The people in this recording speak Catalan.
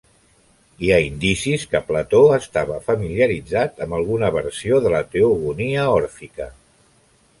Hi ha indicis que Plató estava familiaritzat amb alguna versió de la teogonia òrfica.